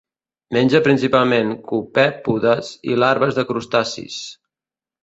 Menja principalment copèpodes i larves de crustacis.